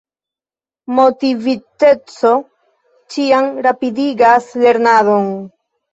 Motiviteco ĉiam rapidigas lernadon.